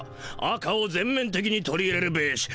赤を全面てきに取り入れるべし。